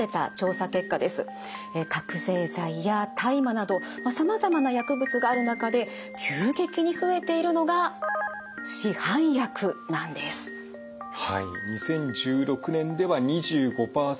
覚醒剤や大麻などさまざまな薬物がある中で急激に増えているのがはい２０１６年では２５％。